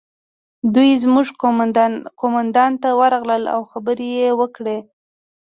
دوی زموږ قومندان ته ورغلل او خبرې یې وکړې